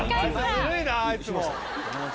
ずるいないつも。